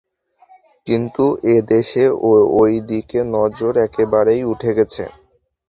কিন্তু এদেশে ঐদিকে নজর একেবারেই উঠে গেছে।